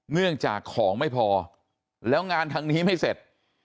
เนื่องจากของไม่พอแล้วงานทางนี้ไม่เสร็จ